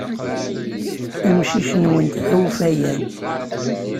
Amcic-nwent d awfayan.